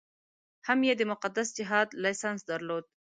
هم یې د مقدس جهاد لایسنس درلود.